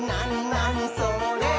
なにそれ？」